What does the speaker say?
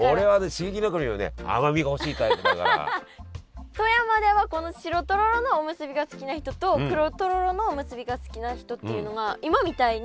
刺激の中にもね富山ではこの白とろろのおむすびが好きな人と黒とろろのおむすびが好きな人っていうのが今みたいに。